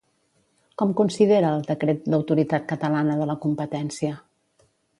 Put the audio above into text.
Com considera el decret l'Autoritat Catalana de la Competència?